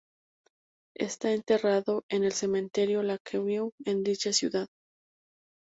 Está enterrado en el cementerio Lakeview en dicha ciudad.